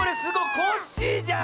コッシーじゃん！